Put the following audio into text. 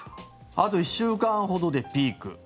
あと１週間ほどでピーク。